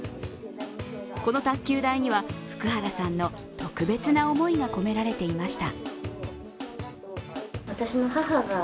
この卓球台には福原さんの特別な思いが込められていました。